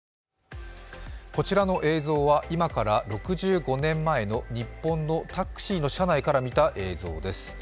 こちらの映像は今から６５年前の日本のタクシーの車内から見た映像です。